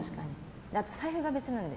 あと、財布が別なので。